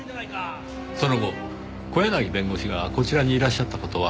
その後小柳弁護士がこちらにいらっしゃった事は？